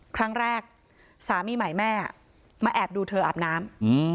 ครั้งแรกสามีใหม่แม่มาแอบดูเธออาบน้ำ